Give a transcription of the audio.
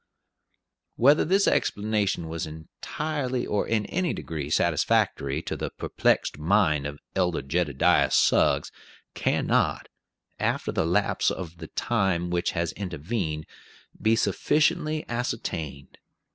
Whether this explanation was entirely, or in any degree, satisfactory to the perplexed mind of Elder Jed'diah Suggs can not, after the lapse of the time which has intervened, be sufficiently ascertained.